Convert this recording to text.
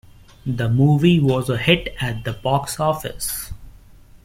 The movie was a hit at the box office.